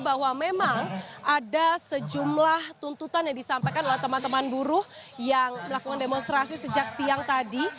bahwa memang ada sejumlah tuntutan yang disampaikan oleh teman teman buruh yang melakukan demonstrasi sejak siang tadi